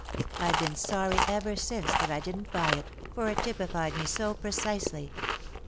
I've been sorry ever since that I didn't buy it, for it typified me so precisely.